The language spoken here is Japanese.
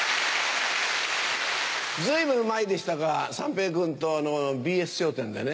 随分前でしたが三平君とＢＳ『笑点』でね